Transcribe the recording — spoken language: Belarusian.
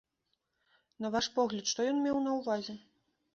На ваш погляд, што ён меў на ўвазе?